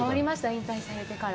引退されてから。